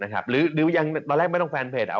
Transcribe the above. หรือดิวยังตอนแรกไม่ต้องแฟนเพจ